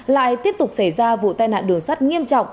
lại tiếp tục xảy ra vụ tai nạn đường sắt nghiêm trọng